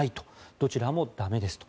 どちらも駄目ですと。